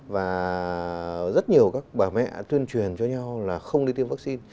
và rất nhiều các bà mẹ tuyên truyền cho nhau là không đi tiêm vaccine